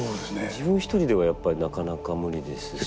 自分一人ではやっぱりなかなか無理ですし。